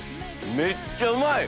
めっちゃうまい！